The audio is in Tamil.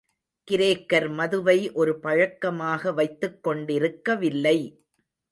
கிரேக்கர் மதுவை ஒரு பழக்கமாக வைத்துக்கொண்டிருக்கவில்லை.